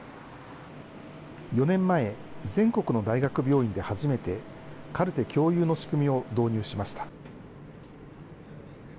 ４年前、全国の大学病院で初めてカルテ共有の仕組みを導入しました。